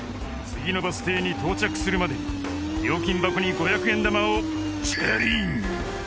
次のバス停に到着するまでに料金箱に５００円玉をチャリン！